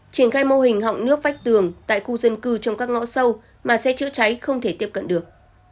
triển khai mô hình họng nước vách tường tại khu dân cư trong các ngõ sâu mà xe chữa cháy không thể tiếp cận được